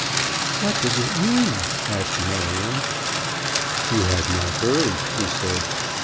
"What does it mean?" asked Marion. "You have not heard," he said.